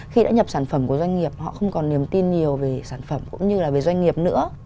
khi đã nhập sản phẩm của doanh nghiệp họ không còn niềm tin nhiều về sản phẩm cũng như là về doanh nghiệp nữa